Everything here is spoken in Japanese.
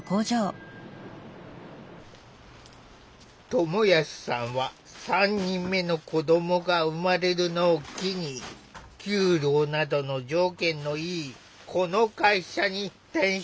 友康さんは３人目の子どもが生まれるのを機に給料などの条件のいいこの会社に転職した。